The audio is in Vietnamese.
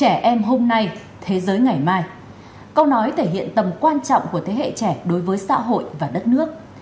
trẻ em hôm nay thế giới ngày mai câu nói thể hiện tầm quan trọng của thế hệ trẻ đối với xã hội và đất nước